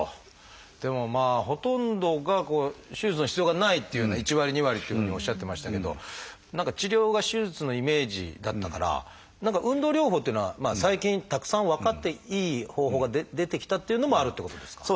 でもほとんどが手術の必要がないっていうふうな１割２割っていうふうにおっしゃってましたけど何か治療が手術のイメージだったから何か運動療法っていうのは最近たくさん分かっていい方法が出てきたっていうのもあるっていうことですか？